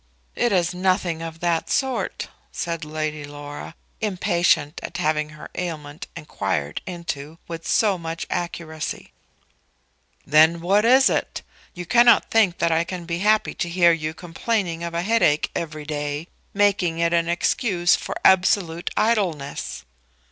"It is nothing of that sort," said Lady Laura, impatient at having her ailment inquired into with so much accuracy. "Then what is it? You cannot think that I can be happy to hear you complaining of headache every day, making it an excuse for absolute idleness."